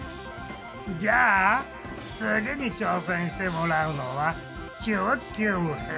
じゃあ次に挑戦してもらうのは中級編。